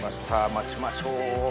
待ちましょう。